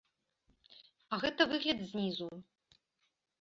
А гэта выгляд знізу.